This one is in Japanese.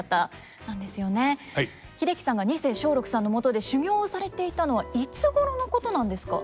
英樹さんが二世松緑さんのもとで修業をされていたのはいつごろのことなんですか？